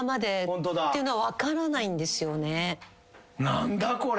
何だこれ？